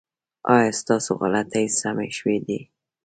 ایا ستاسو غلطۍ سمې شوې دي؟